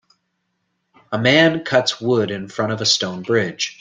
A man cuts wood in front of a stone bridge.